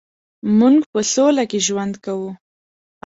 مونږ په سوله کې ژوند کوو